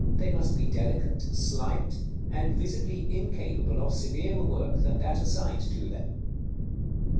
They must be delicate, slight, and visibly incapable of severer work than that assigned to them.